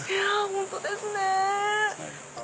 本当ですね。